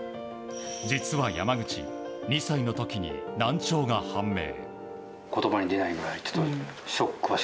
実は山口、２歳の時に難聴が判明。